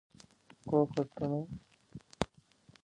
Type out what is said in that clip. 衣裳已施行看盡，針線猶存未忍開。